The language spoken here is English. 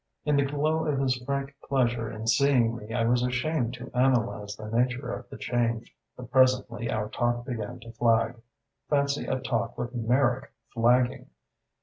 In the glow of his frank pleasure in seeing me I was ashamed to analyze the nature of the change; but presently our talk began to flag fancy a talk with Merrick flagging!